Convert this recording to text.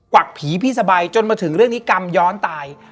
วักผีพี่สบายจนมาถึงเรื่องนี้กรรมย้อนตาย